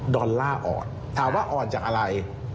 อลลาร์อ่อนถามว่าอ่อนจากอะไร